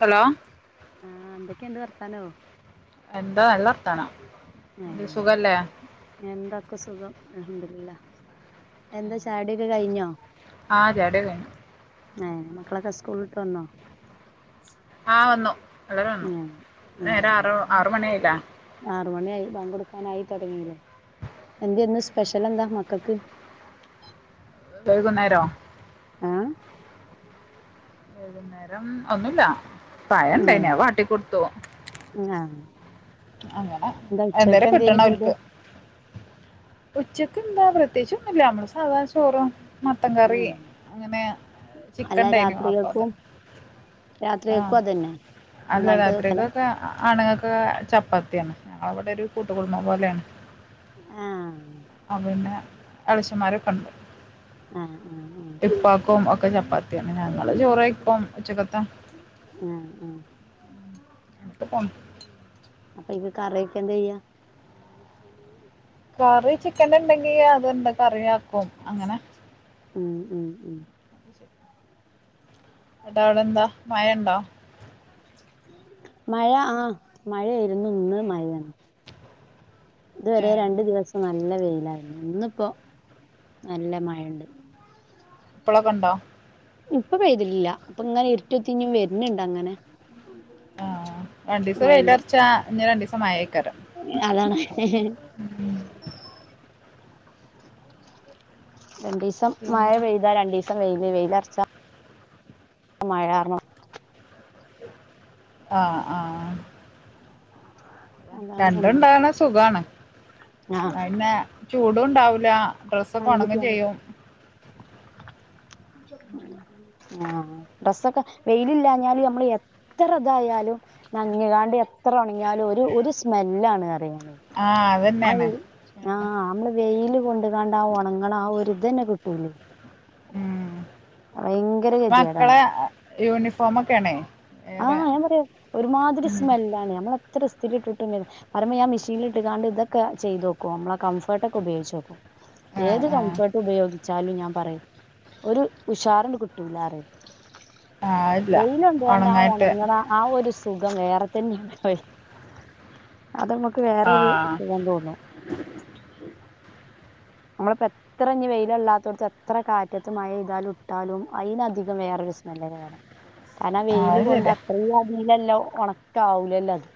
Hello ആ എന്തൊക്കെണ്ട് വർത്താനോ എന്താ നല്ലർത്തനം മ്മ് എന്താക്ക സുഖം അൽഹം ദില്ല എന്താ ചാടിയൊക്കെ കയിഞ്ഞോ [unintelligible] ഏഹ് മക്കളൊക്കെ സ്കൂള് വിട്ട് വന്നോ ആ വന്നു പിള്ളേര് വന്നു ഏഹ് നേരം ആറു ആറ് മണിയായില്ലേ റു മണിയായി ബാങ്ക് കൊടുക്കാനായി തോടങ്ങീയില്ലേ എന്തേ ഇന്ന് സ്പെഷ്യൽ എന്താ മക്കക്ക് വൈകുന്നേരോ ആ വൈകുന്നേരം ഒന്നുല്ല പഴം ഒണ്ടായിന്നു ഏഹ് അത് വാട്ടി കൊടുത്തു ആഹ് അങ്ങനെ എന്താ ഉച്ചക്ക് എന്തേരും എന്തേനി കിട്ടണം ഫുഡ് ഓര്ക്ക് ഉച്ചക്ക് എന്താ പ്രത്യേകിച്ച് ഒന്നുല്ല നമ്മള് സാധാ ചോറാ മത്തൻ കറി ഏഹ് അങ്ങനെ അല്ല ചിക്കൻണ്ടായിന്നു അപ്പ അത് രാത്രികൾക്കും ആ രാത്രികൾക്കും അതന്നെ അല്ല ഒന്നായിട്ട് വെക്കലാ രാത്രിക്കൊക്കെ ആണുങ്ങക്ക് ചപ്പ പത്തിയാണ് ഞങ്ങളവിടെ ഒരു കൂട്ടുകുടുംബം പോലെയാണ്. ആഹ് അതന്നെ അളിച്ചന്മാരെക്കൊണ്ട് ആഹ് ആഹ് ആഹ് ഇപ്പക്കും ഒക്കെ ചപ്പ് ചപ്പാത്തയാണ് ഞങ്ങള് ചോറു കയിക്കും ആഹ് ആഹ് എക്ക് പോണ അപ്പൊ ഈ കറിയൊക്കെ എന്താ ചെയ്യാ കറി ചിക്കൻ ഉണ്ടെങ്കി അത്ണ്ട് കറിയാക്കും അങ്ങനെ ഉം ഉം ഉം എടാ അവിടെ എന്താ മയ ഉണ്ടോ? മഴ ആ മഴയിരുന്നു ഇന്ന് മയ ഇതുവരെ ഏ രണ്ടു ദിവസം നല്ല വെയില് ല്ല ഇന്നിപ്പോ നല്ല മഴണ്ട് ഇപ്പളോ പണ്ടോ ഇപ്പൊ പെയ്തിട്ടില്ല അപ്പൊ ഇങ്ങനെ ഇരുട്ടത്തി വരിണ്ട് അങ്ങനെ ആഹ് രണ്ടു ദിവസം മഴന്റെ വെയിലറച്ച പിന്നെ രണ്ടുസം മഴയക്കാറ് അതാണ് രണ്ടുസം മഴ പിന്നെ പെയ്താ രണ്ടിസം വെയില് വെയി ലർച്ച മഴ കാരണം [unintelligible] ആഹ് ആഹ് അതാണ് സംഭവം രണ്ടുണ്ടാണ് സുഖാണ് ആ പിന്നെ ചൂട് അതൊണ്ടാവൂല്ല ഡ്രസ്സൊക്കെ ഉണങ്ങേ ചെയ്യും ആഹ് ഡ്രസ്സൊക്കെ വെയിലില്ലഞ്ഞാൽ നമ്മള് എത്ര ഇതായാലും നഞ്ഞുകാണ്ട് എത്ര ഉണങ്ങിയാലും ഒരു ഒരു സ്മെല്ലാണ് പറിയുന്ന ആ അത് അതെ തന്നെയാണ് ആഹ് നമ്മൾ വെയില് കൊണ്ട് അതാണ്ട് ആ ഉണങ്ങൾ ആഹ് ഒരുരിത് തന്നെ കിട്ടൂലേ ഉം ഭയങ്കര ഗതികേടാണ് യൂണിഫോം ഒക്കെ ആണേ ആ ഞാൻ പറയാ ഒരുമാതിരി സ്മെല്ലാണ് നമ്മൾ എത്ര ഇസ്ഥിരി ഇട്ടിട്ടും പറമേ ഞാ മെഷീൻ ഇട്ടാണ്ട് ഇതൊക്കെ ചെയ്തോക്കും നമ്മളെ കംഫർട്ടൊക്കെ ഉപയോഗിച്ച് നോക്കും ആ ഏത് ആ കംഫർട്ട് ഉപയോഗിച്ചാലും ഞാൻ പറയും ഒരു ഉഷാർന്നെ കിട്ടൂല്ലാന്ന് പറയും പ ആഹ് ഇല്ല ആണോ ആഹ് ഒണങ്ങണ ആ ഒരു ദി സുഖം വേറെ തന്നെയാണ് പറയ് അത് നമുക്ക് ആ വേറൊരു സുഖം തോന്നുന്നു നമ്മളിപ്പോ എത്ര ഇനി വെയിലല്ലാത്തോടത്ത് എത്ര കാറ്റത്ത് മഴ എയ്താലും ഇട്ടാലും അതിനധികം വേറൊരു സ്മെല്ലന്നെ വേണം കാരണം ആ വെയില് അത് കൊണ്ട് ശരിയാ അത്രയും അതിലല്ലോ ഉണക്കാവൂലല്ല അത്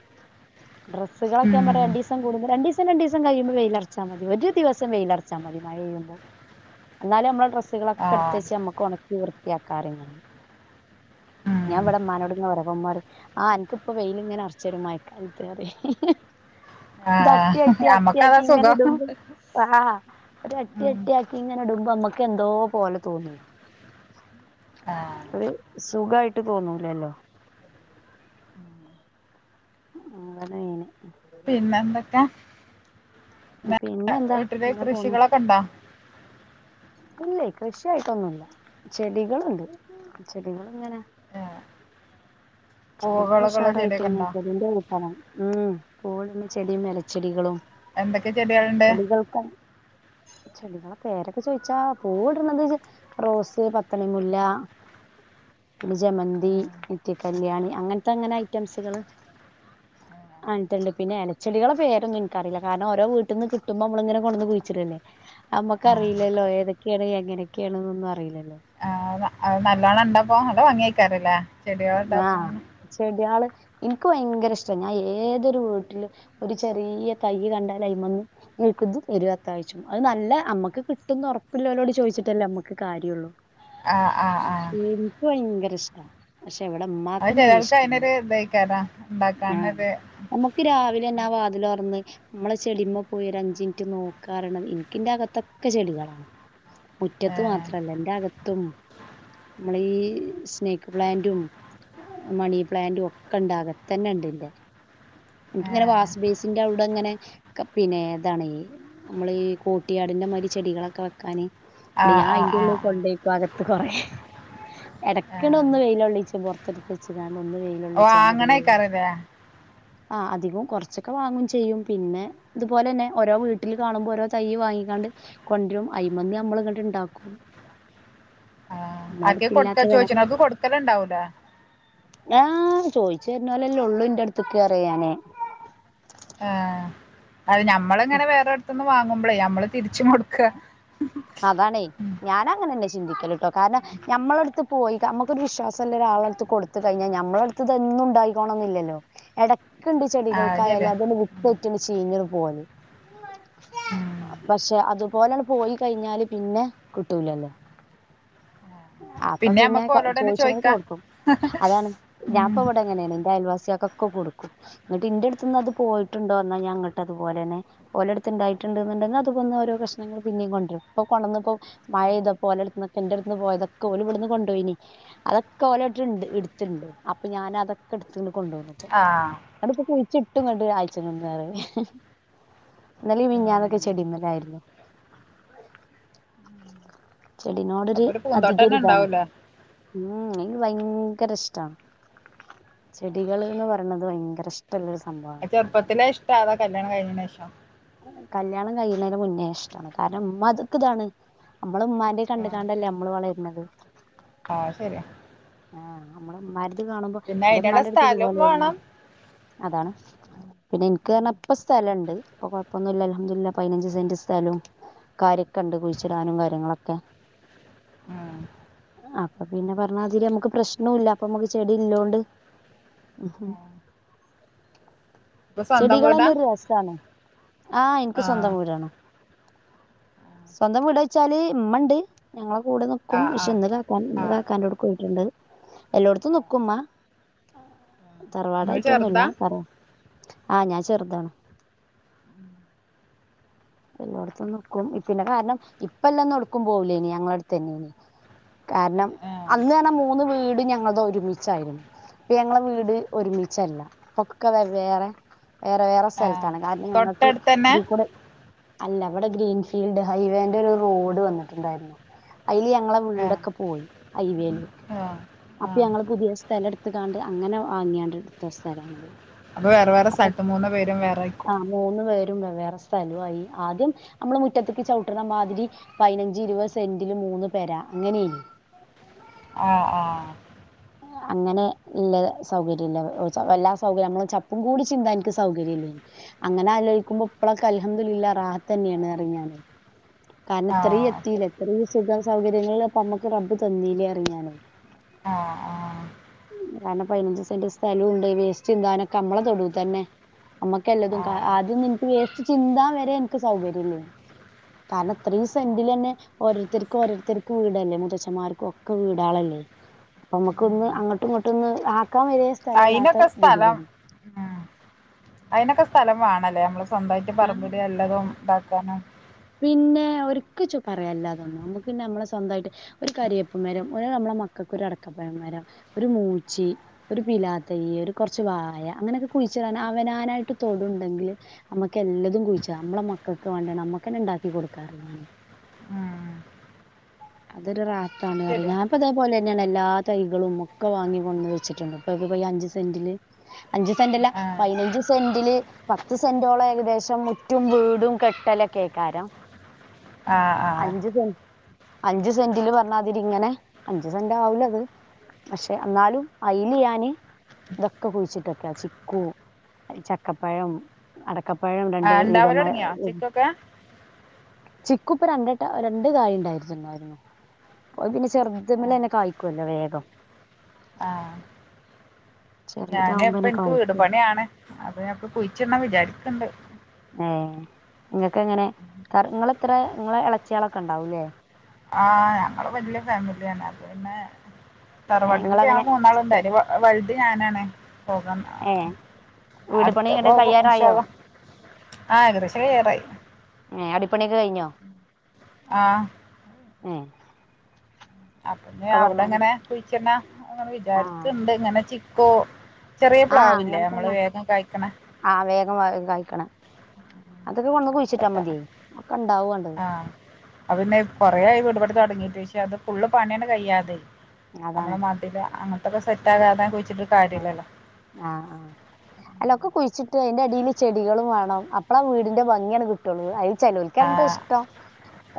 ഡ്രസ്സുകളൊക്കൻ പറയാ ഉം രണ്ട് ദിവം കൂടുമ്പോൾ രണ്ടീസം രണ്ട് ദിവസ കഴിയുമ്പോ വെയിലർ ച്ചാൽ മതി ഒരു ദിവസം വെയിലർ അർച്ചാമതി മഴപെയ്യുമ്പം എന്നാലും നമ്മളുടെ ഡ്രസ്സ് ആ കളൊക്കെ എടുത്തവെച്ച് നമ്മുക്ക് ഉണക്കി വൃത്തി വൃത്തിക്കാരങ്ങഞാണ് ഞാൻ ഉം ഇവിടെ മ്മാനോട് ഇങ്ങനെ പറയും അപ്പം ഉമ്മ പറയും ആ അനക്ക്ഇപ്പം വെയില ഇങ്ങനെ അറച്ചരും മയക്കാലത്ത്ന്ന് പറയിം ഹി ഹി ആ നമ്മക്കതാ ഇങ്ങനെ സുഖം ഇടുമ്പോ ആഹ് ഒരു അട്ടി ഉം അട്ടിയ ആക്കി ഇങ്ങനെ ഇടു മ്മക്ക് എന്തോ പോലെ തോന്നുവേ ആ അത് സുഖായിട്ട് ഇട്ട് തോന്നൂലല്ലോ ആ ഉ ആവാനായിന് പിന്നെ എന്തൊക്കെ പിന്നെന്താ വീട്ടില അങ്ങനെ കൃഷികളൊക്കെണ്ടാ ഇല്ല കൃഷിയായിട്ടൊന്നുമല്ല ചെടികളുണ്ട് ചെടികൾങ്ങന ഏ, ചെടികൾ പൂവകളൊക്കെയുള്ള ചെടിയൊക്കെ ഉഷാറായിട്ടിങ്ങ ഉണ്ടോ ചെടിന്റെ [unintelligible] ഉം പൂവ് ഇടനെ ചെടിയും എലച്ചെടികളും എന്തൊക്കെ ചെടികളുണ്ട് ചെടികളെ പേരൊക്കെ ചോദിച്ചാ പൂവിടുന്നത് എ റോസ് പത്തണിമല്ല പിന്നെ ജമന്തി ഇറ്റയൊക്കെ ബല്യാണി അങ്ങനത്തെ അങ്ങനെ ഐറ്റംസ്‌കള് ആനിട്ടുണ്ട് പിന്നെ ഇലച്ചെടികളെ പേരൊന്നും എനിക്കറിയില്ല കാരണംഓരോ വീട്ടിൽന്ന് കിട്ടുമ്പോ നമ്മള ഇങ്ങനെ കൊണ്ടന്ന് കുഴിച്ചിടല്ലേ ആ നമ്മക്ക്റിയില്ലല്ലോ ഏതൊക്കെയാണ് എങ്ങനെയൊക്കെയാണ്ന്നൊന്നും അറിയില്ലല്ലോ അത് നല്ലോണ്ണം ഇണ്ടാപ്പോ നല്ലോ ഭംഗിക്കാറില്ലേ ആഹ് ചെടയാള് എനിക്ക് ഭയങ്കര ഇഷ്ട ഞാൻ ഏതൊരു വീട്ടില് ഒരു ചെറിയ തയ്യ് കണ്ടാല അയിമന്ന് നിക്ക് ഇത് തരുത്ത ആഴ്ച്ചു അത് നല്ല അമ്മക്ക് കിട്ടന്ന് ഉറപ്പില്ലവലോട് ചോദിച്ചിട്ടല്ലേ അമ്മുക്ക് കാര്യോള്ളു ആ ആ ആ ഇഷ്ട എവിടെ അത് മ്മാക്കൊന്നും വല്യ ചിലർക്ക് ഇഷ്ടല്ല അതിനൊരു ഇതായിക്കാരാ ആ ഉണ്ടാക്കാനൊരു നമ്മുക്ക് രാവിലെന്നെ ആ വാ [unintelligible] നമ്മളെ ചെടിമ്മേ പോയി അഞ്ച മിനിറ്റ് നോക്കാറുണ്ട് എനിക്ക്ന്റെ അകത്തൊക്കെ ചെടികളാണ് ഏ, മുറ്റത്ത് മാത്രല്ല എന്റെ അകത്തും നമ്മള ഈ സ്നേക് പ്ലാന്റും മണി പ്ലാന്റും ഒക്കെ ഇണ്ട് അകത്തന്നെ ഇണ്ട്ന്റെ ഏ, എനക്കിങ്ങനെ വാസ് ബേസിന്റെ അവിടെങ്ങനെ പിന്നെ എതാണ് നമ്മള് ഈ കോട്ടിയാടിന്റെ മാതിരി ചെടികളൊക്കെ വെക്കാന് ആ ഞാ ആ ആ അയിന്റുള്ളിൽ കൊണ്ടുവെക്കും അക കൊറേ ആ എടക്കണ്ട് ഒന്ന് വെയിലൊള്ളിച്ചും പൊറത്ത് ട്ത് വച്ച്കാണ്ട്. ഓ അങ്ങനെയ്കാരലേ. ആ അധികവും കുറച്ചൊക്കെ വാങ്ങും ചെയ്യും പിന്നെ ഇതുപോലെ തന്നെ ഓരോ വീട്ടിൽ കാണുമ്പോൾ ഓരോ തയ് വാങ്ങിക്കാണ്ട് കൊണ്ടരും ഐമന്ന് നമ്മൾ ഇങ്ങട്ട് ഇണ്ടാക്കും. നമ്മളെ ആർക്കേലും കൊടുത്ത അടുത്തില്ലാത്ത ചോദിച്ചണോൽക്ക് കൊടുക്കല് ഉണ്ടാവൂലേ. ആഹ് ചോദിച്ചു വരുന്നോലല്ലേ ഉള്ളൂ ഇന്റെ അടുത്ത്. ക്ക അറിയാനേ ആ അത് ഞമ്മള ഇങ്ങനെ വേറെടുത്തൊന്ന് വാങ്ങുമ്പോളേ നമ്മള് തിരിച്ചും കൊടുക്കുക. അതാണേ ഞാനങ്ങനന്നെ ചെ ചിന്തിക്കല് ട്ടോ കാരണം നമ്മളടുത്ത് പോയി നമ്മുക്കൊരു വിശ്വാസം ള്ള ഒരാളുടെ അടുത്ത് കൊടുത് കഴിഞ്ഞാൽ നമ്മളുടെ അടുത്ത് ഇതൊന്നും ഉണ്ടായികോണന്നില്ലല്ലോ. ണ്ട് ആ അത് ചെടികൾക്കായാലും ശരിയാ അതൊന്ന് വിത് വിറ്റ ചീഞ്ഞണ്ട് പോവല്. ഉം. പക്ഷെ അതുപോലങ്‌ പോയി. കഴിഞ്ഞാല് പിന്നെ കിട്ടൂലല്ലോ. അപ്പൊ പിന്നെ നമ്മക്ക് ഓലോട് തന്നെ ചോദിച്ചനോല്ക്ക് ചോദിക്കാം കൊടുക്കും അതാണ് ഞാൻപ്പ ഉം. ഇവിടെ അങ്ങനെയാണ്. ന്റെ അയൽവാസ് ക്കൊക്കെ കൊടുക്കും. എന്നിട്ട് എന്റെ അടുത്ത് നിന്ന് അത് പോയിട്ടുണ്ടോന്നാ ഞാങ്ങട്ട് അതുപോലെന്നെ ഓല അടുത്ത്ണ്ടായിണ്ട് ന്ന്ണ്ടങ്കിൽ അത്മ്മന്ന് ഓരോ കഷ്ണങ്ങള് പിന്നേം കൊണ്ടരും. പ്പോ കൊണ്ടന്നതൊക്കെ ഇപ്പോ മഴ പെയ്തപ്പോ ഓലട്ന്നൊക്ക എന്റെ അടുന്ന് പോയതക് ക്കെ ഓല് വിടന്ന് കൊണ്ടോയിനി. അതൊക്കെ ഓലെ അടുത്ത്ണ്ട് എടുത്തിണ്ട് അപ്പൊ ഞാൻ അതൊക്കെ എടു കൊണ്ടന്ന്പ്പോ. ആ ന്നെട്ടിപ്പോ കുഴിച്ച ട്ടും കണ്ട് ഒരാഴ്ചങ്ങന്ന് പറയാ. ഇന്നലിം ഉം. മിനിഞ്ഞാന്നൊക്കെ ചെടിമ്മലായിരുന്നു. ചെടിനോടൊരു അപ്പൊ ഒരു പൂന്തോട്ടം തന്നെ അധികൊരിതാണ് ഉണ്ടാവൂലേ ഉം. ഭയങ്കര ഇഷ്ട്ടാണ് ചെടികൾ എന്ന് പറയണത് ഭയങ്കര ഇഷ്ട്ടല്ല ഒരു ചെറുപ്പത്തിലെ ഇഷ്ട അതൊ കല്യാണം കഴിഞ്ഞന് ശേഷോ? കല്യാണം കഴിയുന്നേതിന് മുന്നേ ഇഷ്ടമാണ്. കാരണം ഉമ്മാ അതൊക്ക ഇതാണ് നമ്മള് ഉമ്മാന്റെ കണ്ട്കാണ്ടല്ലേ നമ്മള് വളരുന്നത്. ആഹ് അത് ശരിയാ. ആഹ് നമ്മളമ്മാര് കാണുമ്പോ പിന്നെ അതിനുള്ള എന്റെമ്മാന്റെ അടുത്ത് സ്ഥലവും ഇതുപോലെയല്ലോ. വേണം അതാണ്. പിന്നെ എനിക്ക് പറഞ്ഞ ഇപ്പ സ്ഥലുണ്ട്. ഇപ്പൊ കൊഴപ്പൊന്നുമില്ല അല്ഹംദുലില്ലാഹ് പതിനഞ്ച് സെന്റ് സ്ഥലവും കാര്യക്കെ ഉണ്ട് കുഴിച്ചിടാനും കാര്യങ്ങളൊക്കെ ആഹ് അപ്പൊ പിന്നെ പറഞ്ഞാതിരി പ്രശ്നമില്ല അപ്പൊ നമ്മുക്ക് ചെടി ഇല്ലോണ്ട് ഇപ്പൊ സ്വന്തം ചെടികള് വീടാ തന്നെ ഒരു രസാണ്. ആ എനിക്ക് ആഹ് സ്വന്തം വീടാണ്. സ്വന്തം വീട് വെച്ചാല് ഇമ്മണ്ട് ഞങ്ങള കൂടെ നിക്കും ആഹ് പക്ഷെ ആഹ് ഇന്ന് കാക്കാൻ ഇന്ന് ആഹ് കാക്കാന്റോട്ക്ക് പോയിട്ടുണ്ട്. എല്ലോട്ത്തും നിക്കുമ്മ. ഇങ്ങള് തറവാടായിട്ടൊന്നുല്ല ചെറുതാ തറ ആഹ് ഞാൻ ചെറുതാണ്. എല്ലോട്ത്തും നിക്കും. പിന്നെ കാരണം ഇപ്പ ഇള്ളന്ന് എടുക്കും പോവൂലേയ്നി ഞങ്ങള അടുത്ത് തന്നെയ്നി. കാരണം ആഹ് അന്ന് പറഞ്ഞ മൂന്ന് വീട് ഞങ്ങളത് ഒരുമിച്ചായിരുന്നു. ഇപ്പ ഞങ്ങള വീട് ഒരുമിച്ചല്ല. പൊ ക്കെ വെവേറെ വേറെ വേറെ സ്ഥലത് ആഹ് താണു കാരണം ഞങ്ങൾക്ക് തൊട്ടടുത്തന്നെ ദീ കൂടെ അല്ല ഇവിടെ ഗ്രീൻഫീൽഡ് ഹൈവേന്റെ ഒരു റോഡ് വന്നിട്ടുണ്ടായിരുന്നു. അതില് ഞങ്ങളെ ആഹ് വീടൊക്കെ പോയി ഹൈവേയില്. ആഹ് അപ്പൊ ആഹ് ഞങ്ങൾക്ക് പുതിയ സ്ഥലം എടുത്തകാണ്ട് അങ്ങനെ വാങ്ങിയാണ്ട് എടുത്ത സ്ഥലാണിത്. അപ്പൊ വേറെ വേറെ സ്ഥലത്ത് മൂന്ന് പേരും വേറെ ആയിക്കും വേറെ സ്ഥലമായി ആദ്യം നമ്മള് മുറ്റത്തേക്ക് ചവിട്ടുന്ന മാതിരി പതിനഞ്ച് ഇരുപത് സെന്റില് മൂന്ന് പെരാ അങ്ങനെയേനും ആഹ് ആഹ് അങ്ങനെ ഇല്ല സൗകര്യം ഇല്ല എല്ലാ സൗകര്യ നമ്മള ചപ്പും കൂടി ചിന്ത എനിക്ക് സൗകര്യം ഇല്ലേനി അങ്ങനെ ആലോചിക്കുമ്പോ ഇപ്പളൊക്കെ അല്ഹുംദുല്ലില്ലാ റാഹത്ത് തന്നെയാണ് പറിയും ഞാന് കാരണം ഇത്രയും ആഹ് എത്തീല്ലേ എത്ര സുഖ സൗകര്യങ്ങൾ അപ്പമ്മക്ക് റബ്ബ് തന്നീലെ പറയും ഞാന് ആഹ് കാരണം പതിനഞ്ച് സെന്റ് സ്ഥലോണ്ട് വേസ്റ്റ് ചിന്താനൊക്കെ നമ്മളെ തൊടുതന്നെ അമ്മക്കെല്ലതും ആഹ് ആദ്യഒന്നും എനിക്ക് വേസ്റ്റ് ചിന്താൻ വരെ എനിക്ക് സൗകര്യം ഇല്ലേനും കാരണം ഇത്രയും ആഹ് സെന്റില് തന്നെ ഓരോരുത്തർക്കും ഓരോരുത്തർക്ക് വീടല്ലേ മുത്തച്ഛന്മാർക്കും ഒക്കെ വീടാളല്ലേ അപ്പൊ നമ്മുക്ക് ഒന്ന് അങ്ങോട്ടും ഇങ്ങോട്ടൊന്ന് ആ നിൽക്കാൻ വലിയ സ്ഥല ഇല്ലാത്ത അയിനൊക്കെ ഗതിയാണ് അതിനൊക്ക സ്ഥലംവേണല്ലേ നമ്മള് സ്വന്തമായിട്ട് പറമ്പിൽ വല്ലതും ഉണ്ടാക്കി കണം പിന്നെ ഒരിക്കച്ചും പറയാനില്ലതൊന്നും നമുക്ക് പിന്നെ നമ്മളെ സ്വന്തായിട്ട് ഒരു കരിയപ്പ് മരം ഒരു നമ്മളെ മക്കൾക്ക് ഒരു അടക്കപ്പഴ മരം ഒരു മൂച്ചി ഒരു പിലാത്തൈ ഒരു കുറച്ച് വായ അങ്ങനെയൊക്കെ കുഴിച്ച അവനാനായിട്ട് തൊടുണ്ടെങ്കിൽ നമ്മക്ക്ല്ലതും കുഴിച്ച നമ്മളുടെ മക്കൾക്ക് വേണ്ടിയാണ് നമ്മ അക്കന ഉണ്ടാക്കി കൊടുക്കാറ് ഞാൻ ഉം അതൊരു റാഹ ത്താണ് പറയ് ശരിയാ ഞാൻപോ അതേപോലെ പിന്നെയാണ് എല്ലാ തൈകളും ഒക്കെ വാങ്ങി കൊണ്ട് വെച്ചിട്ടുണ്ട് ഇപ്പൊ അഞ്ചു സെന്റില് അഞ്ചു സെന്റ അല്ല ആഹ് പതിനഞ്ച് സെന്റില് പത്ത് സെന്റോളം ഏകദേശം മുറ്റും വീടും കെട്ടല കേക്കാരം ആ ആ അഞ്ചു സെന്റിില് പറഞ്ഞാതിരി ഇങ്ങനെ അഞ്ച് സെന്റ് ആവലത് പക്ഷെ എന്നാലും അയില് ഞാന് ഇതൊക്കെ കുഴിച്ചിട്ടൊക്ക ചിക്കു ചക്കപ്പഴം അട ആ ഇണ്ടാവല് തൊടങ്ങിയോ ചിക്കൊക്കെ ചിക്കുപ്പ രണ്ട് വട്ടം രണ്ട് കായുണ്ടായി യിരുന്നു പോ പിന്നെ ആ ചെർതുമ്മലന്നെ കായ്ക്കുവല്ലോ വേഗം ആ ഞാന് ഇപ്പ ചെറിയതാവുമ്പോന്നെ എനിക്ക് വീട് കായ്ക്കും പണിയ ആണ് അപ്പൊഞാൻ കുഴിച്ചിട്ണം വിചാരിക്കണ്ട് ഏ നിങ്ങൾക്ക് എങ്ങനെ ക നിങ്ങ ഇത്ര നിങ്ങള ഇളച്ചിയാളൊക്കെ ഉണ്ടാവൂല്ലേ ആഹ് ഞങ്ങള് വല്യ ഫാമിലിയാണ് അത് പിന്നെ തറവാട്ടി ഞങ്ങൾ നിങ്ങളങ്ങനെ മൂന്നാൾ ഉണ്ടായി വ വഴി ത് ഞാനാണ് പോകാം ഏ വീട് പണി അടുത്ത ഇങ്ങട്ട് പോകും ഇൻ ശാ കയ്യാറായോ അല്ലാഹ് ആ ഏകദേശം കയ്യാറായി ഏ അടിപ്പണിയൊക്കെ കഴിഞ്ഞോ ആ എ അപിന്നെ അവിടെങ്ങനെ കുഴിച്ചണ അങ്ങനെ ആ വിചാരിക്ണ്ട് ഇങ്ങനെ ചിക്കു ചെറിയ ആ പ്ലാവില്ലേ നമ്മള് വേഗം കഴിക്കണെ കം കയിക്കണേ അതൊക്കെ കൊണ്ടന്ന് കുഴിച്ചിട്ടാ മതി ആ അ പിന്നെ കൊറോയി വീട്പണി തുടങ്ങിട്ട് പക്ഷെ അത് ഫുള്ള് പണി അങ്ങട് കയ്യാതെ നമ്മളെ അതാണ് മതില് അങ്ങ ക്ക സെറ്റാകാതെ ഞാൻ കുഴിച് ആ ആ ആ എല്ലൊക്കെ കുഴിച്ചിട്ട് അതിന്റെ അടിയില് ചെടികളും വേണം, അപ്പളാ വീടിന്റെ ഭംഗി ആണ് കിട്ടുള്ളൂ, അത് ചെലോൽക്കതിന്റെ ആഹ് ഇഷ്ടം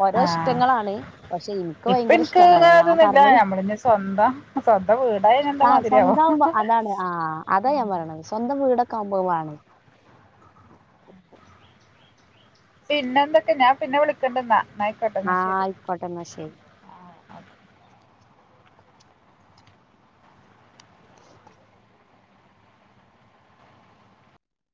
ഓരോ ആഹ് ഇഷ്ടങ്ങളാണ്. പക്ഷെ എനിക്ക് ഇപ്പ ഭയങ്കര എൻക്ക് ഇഷ്ടമാണ് ഇങ്ങനെ അതാ ഞാൻ ഇതൊന്നുല്ല പറഞ്ഞത് നമ്മള് ഇനി സ്വന്തം സ്വന്തം വീടായാ എന്താ ആ മാതിരിയാവു സ്വന്താവുമ്പോ അതാണ് ആ അതാ ഞാൻ പറയണത് സ്വന്തം വീട ഒക്കെ ആവുമ്പോ അത് വേണേ. പിന്നെ എന്തൊക്കെ ഞാൻ പിന്നെ വിളിക്കണ്ട് എന്നാ ആഹ് ആയിക്കോട്ടെന്നാ ശെരി ആഹ്